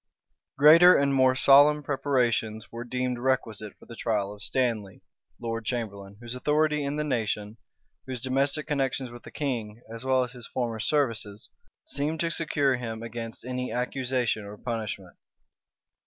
Greater and more solemn preparations were deemed requisite for the trial of Stanley, lord chamberlain, whose authority in the nation, whose domestic connections with the king, as well as his former services, seemed to secure him against any accusation or punishment.